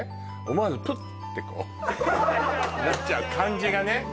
思わずプッてこうなっちゃう感じがね